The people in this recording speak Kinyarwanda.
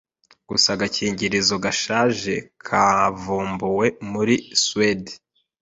Gusa agakingirizo gashaje kavumbuwe muri Suède